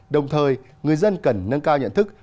đồng thời người dân cần nâng cao nhận thức